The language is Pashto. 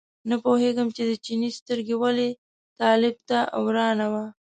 نه پوهېږم چې د چیني سترګه ولې طالب ته ورانه وه.